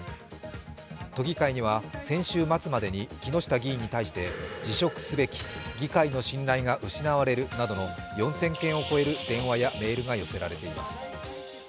都議会には先週末までに木下議員に対して辞職すべき、議会の信頼が失われるなどの４０００件を超える電話やメールが寄せられています。